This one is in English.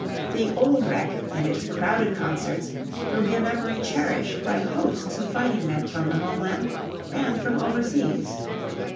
The "Old Rec." and its crowded concerts will be a memory cherished by hosts of fighting men from the homeland and from overseas.